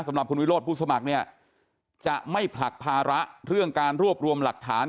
สำหรับคุณวิโรธผู้สมัครเนี่ยจะไม่ผลักภาระเรื่องการรวบรวมหลักฐาน